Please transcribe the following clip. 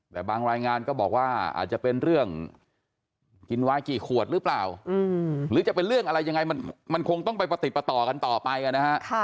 แต่บางรายงานก็บอกว่าอาจจะเป็นเรื่องกินวายกี่ขวดหรือเปล่าหรือจะเป็นเรื่องอะไรยังไงมันคงต้องไปประติดประต่อกันต่อไปนะฮะ